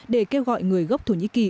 để kêu gọi người gốc thổ nhĩ kỳ